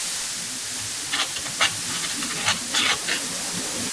El monoplaza de Red Bull luego chocó con el compañero de Rosberg, Kazuki Nakajima.